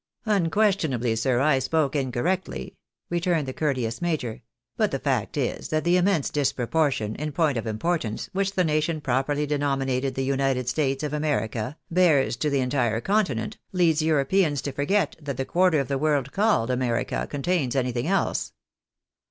" Unquestionably, sir, I spoke incorrectly," returned the cour teous major ;" but the fact is, that the immense disproportion, in point of importance, which the nation properly denominated the United States of America, bears to the entire continent, leads Europeans to forget that the quarter of the world called America, contains anything else."